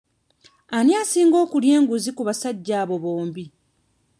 Ani asinga okulya enguzi ku basajja abo bombi?